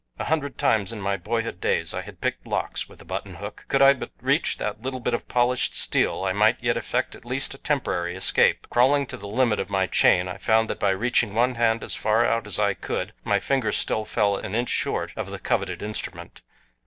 A hundred times in my boyhood days had I picked locks with a buttonhook. Could I but reach that little bit of polished steel I might yet effect at least a temporary escape. Crawling to the limit of my chain, I found that by reaching one hand as far out as I could my fingers still fell an inch short of the coveted instrument.